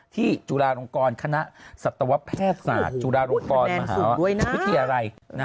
จุฬาลงกรคณะสัตวแพทย์ศาสตร์จุฬาลงกรมหาวิทยาลัย